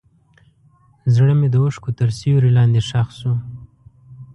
زړه مې د اوښکو تر سیوري لاندې ښخ شو.